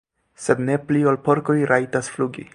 sed ne pli ol porkoj rajtas flugi.